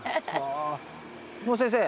先生。